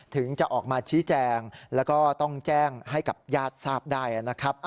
ถึงจะออกมาชี้แจงแล้วก็ต้องแจ้งให้กับญาติทราบได้นะครับ